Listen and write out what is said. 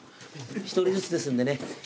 ・１人ずつですんでね